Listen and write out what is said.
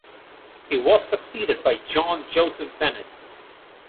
He was succeeded by John Joseph Bennett.